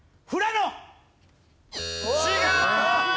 違う！